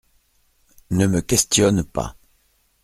Ne me questionne pas !